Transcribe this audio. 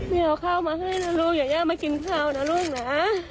อย่าเอาข้าวมาให้นะลูกอย่าย่ามากินข้าวนะลูกนะ